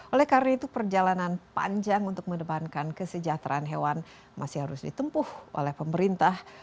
oleh karena itu perjalanan panjang untuk mendepankan kesejahteraan hewan masih harus ditempuh oleh pemerintah